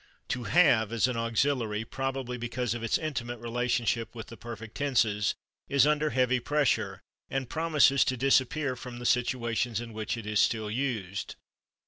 /To have/, as an auxiliary, probably because of its intimate relationship with the perfect tenses, is under heavy pressure, and [Pg207] promises to disappear from the situations in which it is still used.